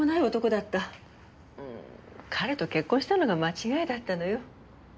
彼と結婚したのが間違いだったのよ。